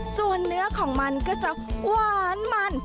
ส่วนเนื้อของมันก็จะหวานมัน